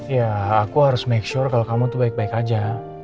ya aku harus make sure kalau kamu tuh baik baik aja